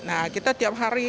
nah kita tiap hari